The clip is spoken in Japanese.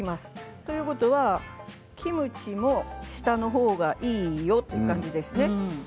ということはキムチも下の方がいいよという感じですね。